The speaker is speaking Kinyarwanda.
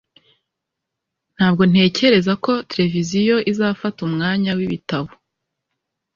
ntabwo ntekereza ko televiziyo izafata umwanya wibitabo